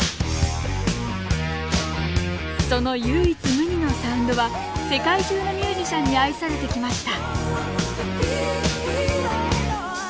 その唯一無二のサウンドは世界中のミュージシャンに愛されてきました